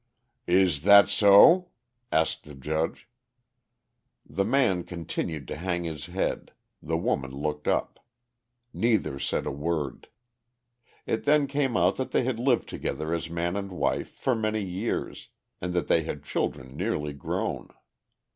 "Is that so?" asked the judge. The man continued to hang his head, the woman looked up; neither said a word. It then came out that they had lived together as man and wife for many years and that they had children nearly grown.